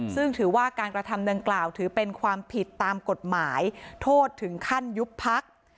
ซึ่งถือว่าการกระทำดังกล่าวถือเป็นความผิดตามกฎหมายโทษถึงขั้นยุบพัก